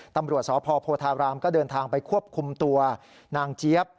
ตำรวจสพโพธารามก็เดินทางไปควบคุมตัวนางเจี๊ยบ